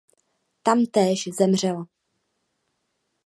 Tam též zemřel.